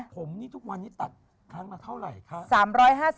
ผมนี่ทุกวันนี้ตัดครั้งละเท่าไหร่คะ